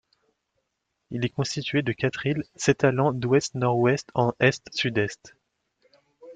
Il est constitué de quatre îles s'étalant d'ouest-nord-ouest en est-sud-est.